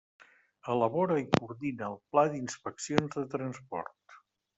Elabora i coordina el Pla d'inspeccions de transport.